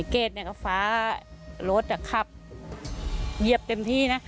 เกรดเนี่ยก็ฟ้ารถขับเหยียบเต็มที่นะ